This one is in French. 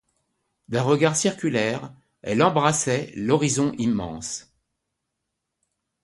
D'un regard circulaire, elle embrassait l'horizon immense.